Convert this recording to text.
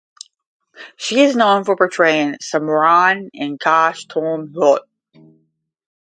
She is known for portraying Simran in Kaash Tum Hote.